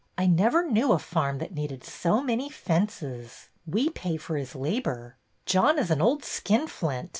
I never knew a farm that needed so many fences. We pay for his labor." " John is an old skinflint.